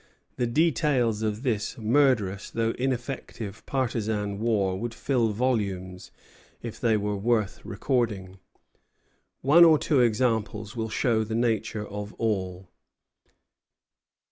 The details of this murderous though ineffective partisan war would fill volumes, if they were worth recording. One or two examples will show the nature of all.